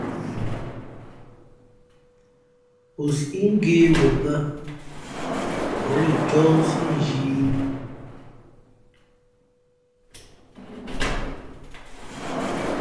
O sǐʼ ngě wen bᾱ, ǒ lα cóhsí nzhī ī .